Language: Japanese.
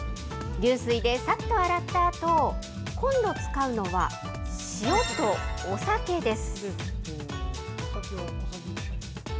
流水でさっと洗ったあと、今度使うのは塩とお酒です。